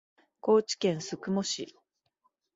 高知県宿毛市